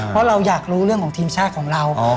เพราะเราอยากรู้เรื่องของทีมชาติของเรา